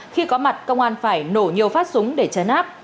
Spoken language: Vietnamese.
khi có mặt công an phải nổ nhiều phát súng để chấn áp